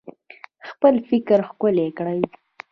خپل فکر ښکلی کړئ